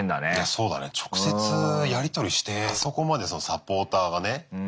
そうだね直接やり取りしてあそこまでサポーターがねつくり上げてると。